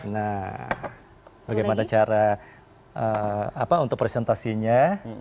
nah bagaimana cara untuk presentasinya